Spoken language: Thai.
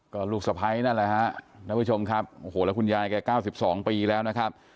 ก็ลูกสาวของผู้เสียชีวิตนั่นแหละค่ะแล้วคุณยายแก๙๒ปีแล้วนะครับ